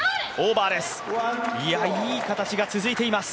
いい形が続いています。